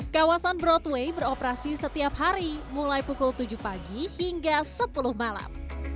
kawasan broadway beroperasi setiap hari mulai pukul tujuh pagi hingga sepuluh malam